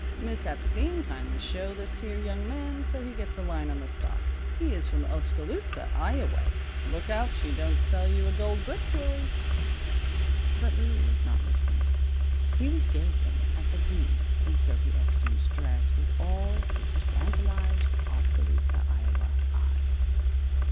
Miss Epstein, kindly show this here young man so he gets a line on the stock. He is from Oskaloosa, Ioway. Look out she don't sell you a gold brick, Louie." But Louie was not listening. He was gazing at the V in Sophy Epstein's dress with all his scandalized Oskaloosa, Iowa, eyes.